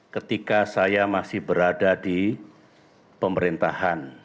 ketika saya masih berada di pemerintahan